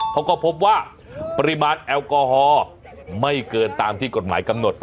เขาก็พบว่าปริมาณแอลกอฮอล์ไม่เกินตามที่กฎหมายกำหนด